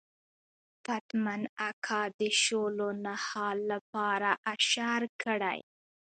پتمن اکا د شولو نهال لپاره اشر کړی.